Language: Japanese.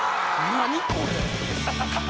何これ？